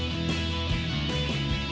lebih baik tersapons sih